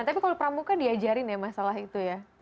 tapi kalau pramuka diajarin ya masalah itu ya